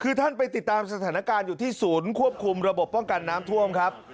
คือท่านไปติดตามสถานการณ์อยู่ที่ศูนย์ควบคุมระบบป้องกันน้ำท่วมครับ